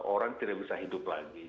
orang tidak bisa hidup lagi